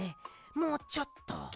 もうちょっと。